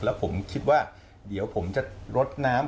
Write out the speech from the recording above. แล้วผมคิดว่าเดี๋ยวผมจะรดน้ำ